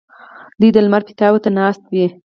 دوی د لمر پیتاوي ته ناست وي.